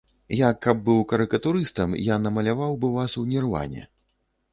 Я каб быў карыкатурыстам, я намаляваў бы вас у нірване.